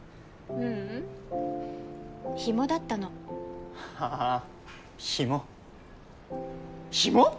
ううんヒモだったのああヒモヒモ！？